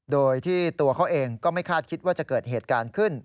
โดยที่ตัวเขาเองก็ไม่คาดคิดว่าจะเกิดเหตุการณ์ขึ้น